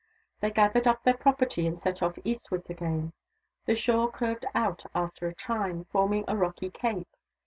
They gathered up their property and set off eastwards again. The shore curved out after a time, forming a rocky cape.